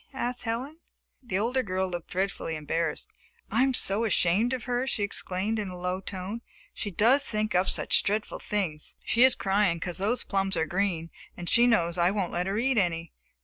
asked Helen. The older girl looked dreadfully embarrassed. "I'm so ashamed of her," she exclaimed in a low tone. "She does think up such dreadful things! She is crying because those plums are green, and she knows I won't let her eat any."